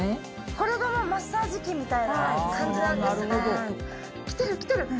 これがマッサージ器みたいな感じなんですね。